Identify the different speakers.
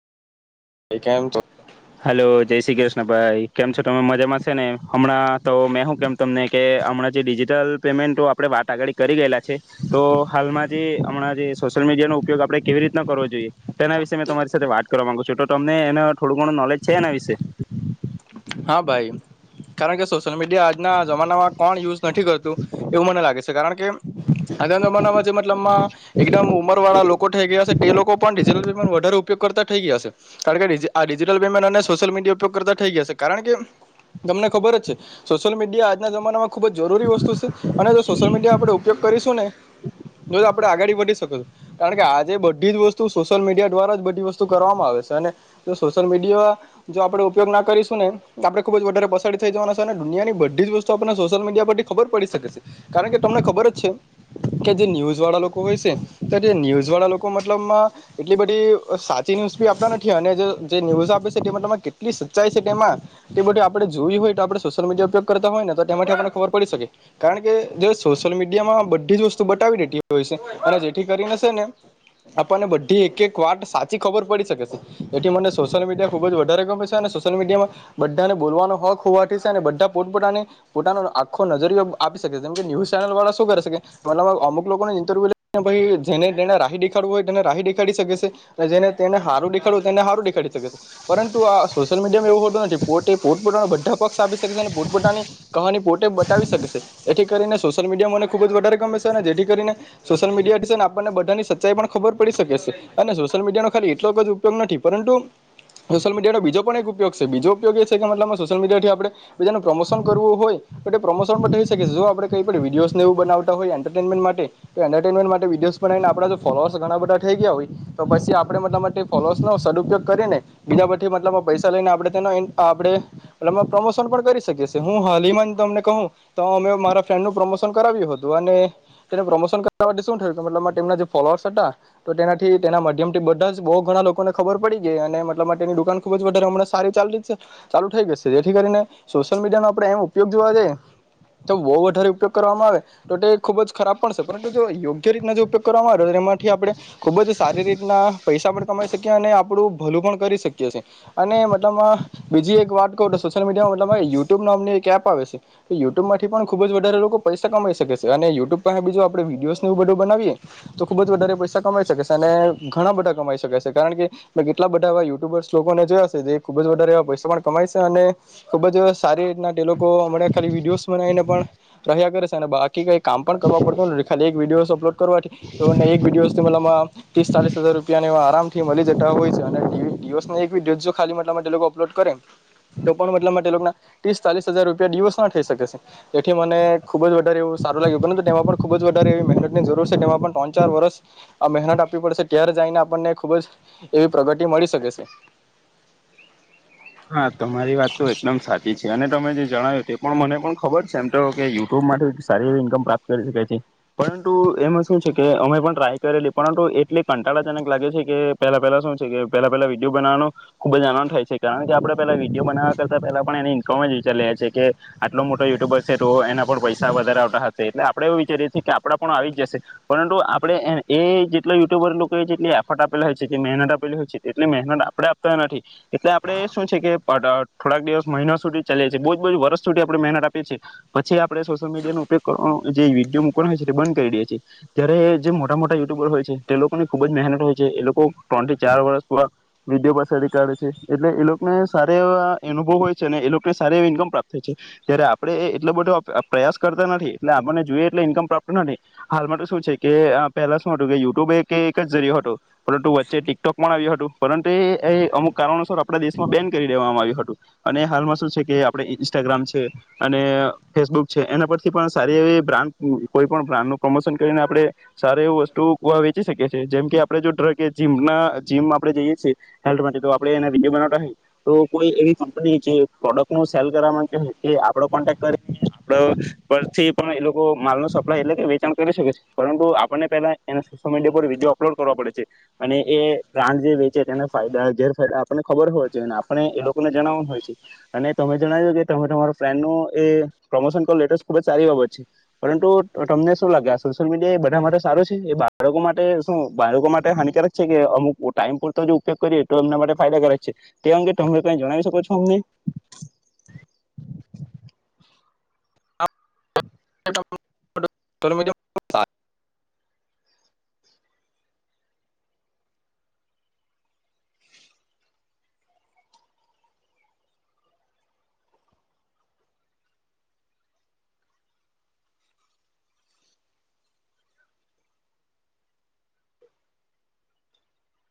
Speaker 1: એ કેમ
Speaker 2: હેલો જય શ્રી કૃષ્ણ ભાઈ કેમ છો તમે મજામાં છે, ને હમણાં તો મેં શું કેમ તમને કે હમણાં જે ડિજિટલ પેમેન્ટો આપે વાત આગળ કરી ગયેલા છે, તો હાલમાં જે હમણાં જે સોશિયલ મીડિયાનો ઉપયોગ આપડે કેવી રીતનો કરવો જોઈએ તેના વિશે મેં તમારી સાથે વાત કરવા માંગુ છું તો તમને એને થોડુંક કોણ નોલેજ છેેના વિશે
Speaker 1: હા ભાઈ કારણ કે સોશિયલ મીડિયા આજના જમાનામાં કોણ યુઝ નથી કરતું એવું મને લાગે છે, કારણ કે આગ જમાનામાં જે મતલબમાં એકદમ ઉંમર વાળા લોકો થઈ ગયા છે, તે લોકો પણ ડિજટલ પેમેન્ટ વધારે ઉપયોગ કરતા થઈ ગયા છે, કારણ કે આ ડિજિટલ પમાન સોશિયલ મીડિયા ઉપયોગ કરતા થઈ ગયા છે. કારણ કે તમને ખબર જ છે, સોશિયલ મીડિયા આજના જમાનામાં ખૂબ જ જરૂરી વસ્તુ છે, અને જો સોશિયલ મીડિયા આપણે ઉપયોગ કરીશું ને જો આપણે આગળ વધી શકોશું કારણ કે આજે બધી જ વસ્તુ સોશિયલ મીડિયા દ્વારા જ બધી વસ્તુ કરવામાં આવે છે, અને સોશિયલ મીડિયા જો આપડે ઉપયોગ ના કરીશ ને આપણે ખુબ જ વધારે પસારીડી થઈ જવાના છે, અને દુનિયાની બધી જ વસ્તુ આપણને સોશિયલ મીડિયા પરથી ખબર પડી શકે છે, કારણ કે તમને ખબર જ છે, કે જે ન્યૂઝ વાળા લોકો હોય છે, ત જે ન્યૂઝ વાળા લોકો મતલબમાં એટલી બધી સાચી ન્યૂઝ બી આપતા નથી અને જે જે ન્યૂઝ આપે છે, તેમાં કેટલી સચ્ચાઈ કે તેમાં તે આપણે જોયું હોય તો આપણે સોશિયલ મીડિયા ઉપયોગ કરતા હોય ને તો તેમાંથી આપને ખબર પડી શકે કારણ કે જે સોશિયલ મીડિયામાં બધી જ વસ્તુ બતાવી દેતી હોય છે, અને જેથી કરીને છે, ને આપણને બધી એક એક વાત સાચી ખબર પડી શકે છે, એથી મને સોશિયલ મીડિયા ખુબ જ વધારે ગમે છે, અને સોસલ મિડિયા બધાને બોલવાનો હક હોવાથી છે, અને બધા પોતપોતાને પોતાનો આખો નજરીયો આપી શકે છે, જેમ કે ન્યુઝ ચેનલ વાળા શું કરે મત અમુક લોકોને ઇન્ટરવ્યુ લ જેને તેને રાહી દેખાડવું હોય તેને રાહી દેખાડી શકે છે, અને જેને તેને હારું દેખાડવુંય તેને હારું દેખાડી શકે છે, પરંતુ આ સોસલ મીડિયામાં એવું હોતું નથી પોતે પોતપોતાનો બધા પક્ષ આપી શકશે અને પોતપ પોતાની કહાની પોતે બતાાવી શકશે એથી કરીને સોશિયલ મીડિયા મને ખુબ જ વધારે ગમે છે, અને જેથી કરીને સોશિયલ મીડિયા આપણને બધાની સચ્ચાઈ પણ ખબર પડી શકે છે, અને સોશિયલ મીડિયા ન ખા એટલો જ ઉપયોગ નથી પરંતુ સોશિયલ મીડિયાનો બીજો પણ એક ઉપયોગ છે, બીજો ઉપયોગ એ છે, કે મતલબમાં સોશિયલ મીડિયાથી આપણે બીજાનુ પ્રમોશન કરવું હોય તો તે પ્રમોશન પણ થઈ શકે છે, જો આપણે કંઈ પણ વિડીયોઝને એવું બનાવતા હોય એન્ટરટેમેન્ટ માટે તો એન્ટરનમેન્ટ માટે વિડીયોજ બનાવીને આપણા જો ફોલોઅર્સ ઘણા બધા થઈ ગયા હોય તો પછી આપણે મતબ માટે ફોલ‌ઓવરસ સદુપયોગ ઉપયોગ કરીને બીજા પથી મતલબ પૈસા લઈને આપણે તેનો આપણે પ્રમો પ્રમોશન પણ કરી શકીએ હું હલીમાં તમને કહું તો અમે મારા ફ્રેન્ડનું પ્રમોશન કરાવ્યું હતું અને તેને પ્રમોશન કરાવ માટે શું થયું કતૂ મતલબ તેમના જે ફોલોઅર્સ હતા તો તેનાથી તેના મધ્યમથી બધા જ બહુ ઘણા લોકોને ખબર પડી ગઈ અને મતલબ તેની દુકાન ખૂબ જ વધારે હમણાં સારી ચાલુ ચાલુ થઈ જશે જેથી કરીને સોશિયલ મીડિયાનો આપણે એમ ઉપયોગ જોવા જઈએ તો બહુ વધારે ઉપયોગ કરવામાં આવે તો ખુબ જ ખરાબ પણ છે, પરંતુ જો યોગ તે રીતના જો ઉપયોગ કરવામાં આવેતો એમાંથી આપડે ખૂબ જ સારી રીતના પૈસા પણ કમાઈ શકીએ અને આપડુ ભલું પણ કરી શકીએ છીએ અને મતલબમા બીજી એક વાત કહું તો સોશિયલ મીડિયા મતલબ યુટ્યુબમની એક એપ આવે સે એ અને યુટ્યુબ થી પણ ખુબ જ વધારે લોકો પૈસા કમાઈ શકે છે અને યુટ્યુબ પર બીજું આપ વિડીયોસ એવું બધું બનાવીએ તો ખુબ જ વધારે પૈસા કમાઈ શકે છે અને ઘણા બધા કમાઈ શકે છે કારણ કે કેટલા બધા એવા યુટ્યુબરસ લોકોને જોયા છે જે ખૂબ જ વધારે એવા પૈસા પણ કમાય સ અને ખૂબ જ સારી રીતના તે લોકો અમણાં ખાલી વિડીયોસ બનાવીને પણ કર્યા કરે સે અને બાકી કઈ કામ પણ કરવા પડતું નથી ખાલી એક વિડીયોસ અપલોડ કરવાથી તોને એક વિડીયોઝથી મતલબમાં ત્રીસ ચાલીસ હજાર રૂપિયાને આરામથી મલી જતા હોય છે અને દિ દિવસ એ વિડિયો જો ખાલી મતલબમાં તે અપલોડ કરે તો પણ મતલબમાં તે લોકના ત્રીસ ચાલીસ હજાર રૂપિયા દિવસ ના થઈ શકે છે એથી મને ખુબ જ વધારે એવું સારું લાગ્યું પરંતુ તેમાં પણ ખુબ જ વધારે એવી મહેનત ની જરૂર છે તેમાં પણ ત્રણ ચાર વર્ષ આ મહેનત આપવી પડેશે ત્યારે જાઈને આપણને ખુબ જ એવી પ્રગતિ મળી શકે સે
Speaker 2: હા તમારી વાત તો એકદમ સાચી છે અને તમે જે જણાવ્યુ તે પણ મને પણ ખબર છે એમ તો કે યુટ્યુબ માંથી સારી એવી ઇન્કમ પ્રાપ્ત કરી શકાય છે પરંતુ એમાં શું છે કે અમે પણ ટ્રાય કરેલી પરંતુ એટલી કંટાળાજનક લાગે છે કે પહેલા પહેલા શું છે કે પહેલા પહેલા વિડીયો બનાવવાનો ખુબ જ આનંદ થાય છે કારણ કે આપડે પેલા વિડીયો બનાવયા કરતાં પેલા પણ એનની ઇન્કમ જ વિચારી લઇએ છે કે આટલો મોટો યુટ્યુબર છે તો એના પર પૈસા વધારે આવતા હશે એટલે આપડે એવું વિચારીએ છીએ કે આપડા પણ આવી જશે પરંતુ આપડે એ જેટલા યુટ્યુબર લોકોએ જેટલી એફર્ટ આપેલા હોય છે જેટલી મહેનત આપેલી હોય છે તેટલી મ મેહેનત આપડે આપતા નથી આપડે શું છે કે થોડાક દિવસ મહિના સુધી ચાલીએ છીએ બહુ જ બહુ વર્ષ સુધી આપડે મહેનત આપએ છીએ પછી આપડે આપડે સોશ્યલ મીડિયાનો ઉપયોગ ક અ જે વિડીયો મૂકવાના હોય છે તે બંધ કરી દે છે ત્યારે જે મોટા મોટા યુટ્યુબર હોય છે તે લોકોની ખુબ જ મહેનત હોય છે એ લોકો ત્રણ થી ચાર વર્ષ વિડીયો પાછળથી કાઢે છે એટલે એ લોકને સારા એવા અનુભવ હોય છે અને એ લોકોને સારી એવી ઈન્કમ પ્રાપ્ત થાય છે ત્યારે આપડે કએટલો બધો પ્ર પ્રયાસ કરતા નથી એટલે આપણને જોઈએ એટલે ઈન્કમ પ્રાપ્ત નથી હાલ માટે શું છે કે પેલા શું હતું કે યુટ્યુબ એ એક જ જર્યો હતો પરંતુ વચ્ચે ટિકટોક પણ આવ્યુ હતું પરંતુ એ એ અમુક કારણોસર સર આપડા દેશમાં બેન કરી દેવામાં આવ્યું હતું અને હાલમાં શું છે કે આપડે ઇન્સ્ટાગ્રામ છે અને ફેસબુક છે એના પરથી પણ સારી એવી બ્રાન્ડ કોઈ પણ બ્રાન્ડનું પ્રમોશન કરીને આપણે સારી એવી વસ્તુ વેચી શકીએ છીએ જેમ કે આપણે ડ્રગ જીમના જીમ આપણે જઈએ છીએ હેલ્થ માટે આપણે એ વિડીયો બનાવતા હોયએ તો કોઈ એવી કંપની જે પ્રોડક્ટ ન સેલ કરવા માંગ હોય કે આપડો કોન્ટેક કરી આપડે પરથી પણ એ લોકો માલ ન સપ્લાય એટલે કે વેચાણ કરી શકે છે પરંતુ આપણને પેલા એને સોશયલ મીડિયા પર વિડીયો અપલોડ કરવા પડે છે અને એ બ્રાન્ડ જે વેચે તેને ફાયદા ગેરફાયદા આપડને ખબર હોય જોઈએ અને આપણે એ લોકોને જણાવવાનું હોય છે અને તમે જણાવ્યું કે તમે તમારો ફ્રેન્ડનો એ પ્રમોશન કર લેટેસ્ટ ખુબ જ સારી બાબત છે પરંતુ તમને શું લાગે આ સોશિયલ મીડિયા એ બધા માટે સારો છે એ બાળકો માટે શું બાળકો માટે હાનિકારક છે કે અમુક ટાઈમ પૂરતો જ ઉપયોગ કરીએ તો એમના માટે ફાયદા કારક છે તે અંગે તમે કઈ જણાવી શકો છો અમને
Speaker 1: [unintelligible] [unintelligible]